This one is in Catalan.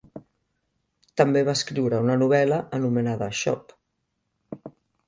També va escriure una novel·la anomenada Shop!